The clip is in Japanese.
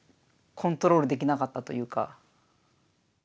コントロールできなかったというか。